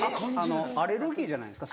アレルギーじゃないですか？